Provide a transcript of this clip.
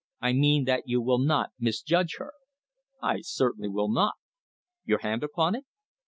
I mean that you will not misjudge her." "I certainly will not." "Your hand upon it?"